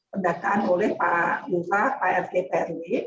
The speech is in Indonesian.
pendataan oleh pak yufa pak rg pak rw